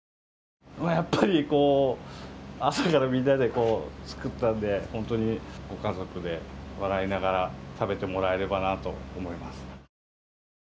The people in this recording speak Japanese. やっぱり朝からみんなで作ったんで、本当にご家族で笑いながら食べてもらえればなと思います。